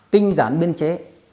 tinh giản biên chế